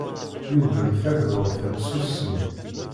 Yugem tagdurt n tsusmi.